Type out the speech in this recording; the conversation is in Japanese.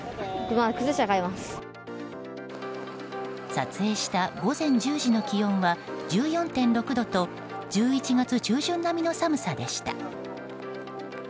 撮影した午前１０時の気温は１４．６度と１１月中旬並みの寒さでした。